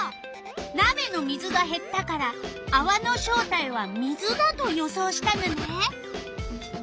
なべの水がへったからあわの正体は水だと予想したのね。